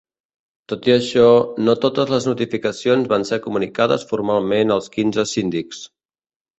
Tot i això, no totes les notificacions van ser comunicades formalment als quinze síndics.